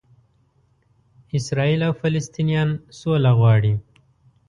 اسراییل او فلسطنینان سوله غواړي.